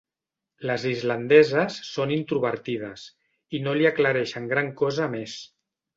Les islandeses són introvertides i no li aclareixen gran cosa més.